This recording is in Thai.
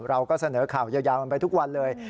เราก็เสนอข่าวยาวกันไปทุกวันเลย